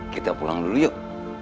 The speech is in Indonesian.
kita pulang dulu yuk